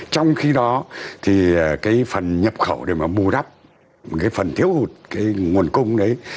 trong khi đó thì cái phần nhập khẩu để mà bù đắp cái phần thiếu hụt cái nguồn cung đấy